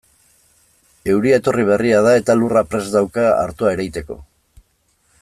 Euria etorri berria da eta lurra prest dauka artoa ereiteko.